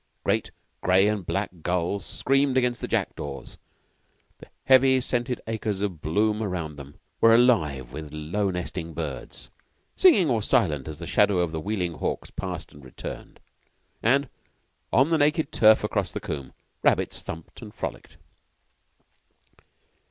Great gray and black gulls screamed against the jackdaws; the heavy scented acres of bloom round them were alive with low nesting birds, singing or silent as the shadow of the wheeling hawks passed and returned; and on the naked turf across the combe rabbits thumped and frolicked.